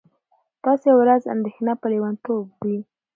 داسې ورځ چې اندېښنه به لېونتوب وي